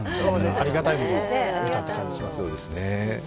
ありがたいものを見たって感じがします。